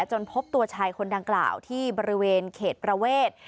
จนพบตัวชายคนดังกล่าวที่บริเวณเขตประเวท